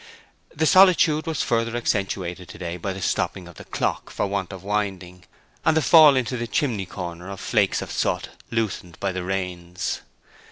The solitude was further accentuated to day by the stopping of the clock for want of winding, and the fall into the chimney corner of flakes of soot loosened by the rains.